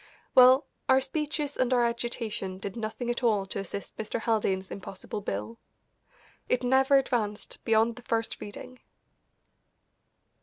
Well, our speeches and our agitation did nothing at all to assist Mr. Haldane's impossible bill. It never advanced beyond the first reading.